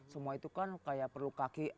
semua itu kan kayak perlu kaki